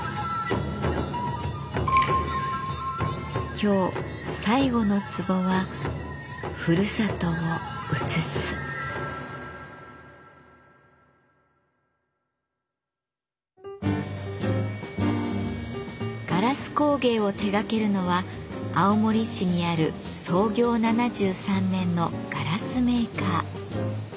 今日最後の壺はガラス工芸を手がけるのは青森市にある創業７３年のガラスメーカー。